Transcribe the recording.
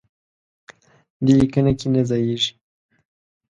دې لیکنه کې نه ځایېږي.